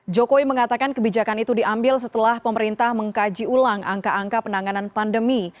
jokowi mengatakan kebijakan itu diambil setelah pemerintah mengkaji ulang angka angka penanganan pandemi